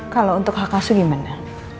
kalau untuk hakasu gimana